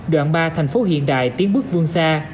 đoạn ba thành phố hiện đại tiến bước vương xa